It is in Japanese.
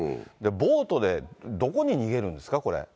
ボートでどこに逃げるんですか、これ。